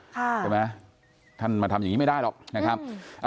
ใช่ไหมท่านมาทำอย่างนี้ไม่ได้หรอกนะครับ